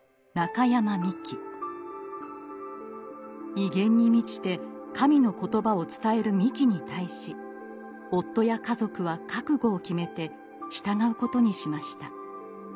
威厳に満ちて神の言葉を伝えるミキに対し夫や家族は覚悟を決めて従うことにしました。